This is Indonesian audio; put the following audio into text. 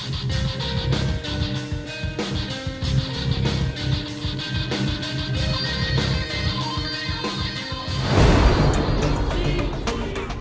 awas kagak itu ikmat itu